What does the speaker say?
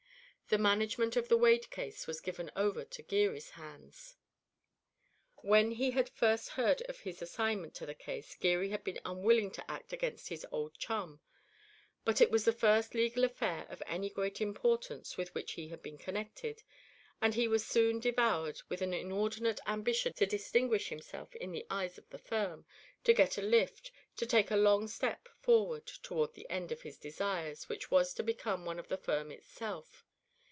The management of the Wade case was given over to Geary's hands. When he had first heard of his assignment to the case Geary had been unwilling to act against his old chum, but it was the first legal affair of any great importance with which he had been connected, and he was soon devoured with an inordinate ambition to distinguish himself in the eyes of the firm, to get a "lift," to take a long step forward toward the end of his desires, which was to become one of the firm itself.